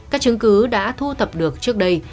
các chứng cứ đã thu tập được trước đây